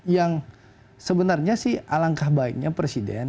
yang sebenarnya sih alangkah baiknya presiden